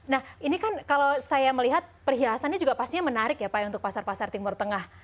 nah ini kan kalau saya melihat perhiasannya juga pastinya menarik ya pak ya untuk pasar pasar timur tengah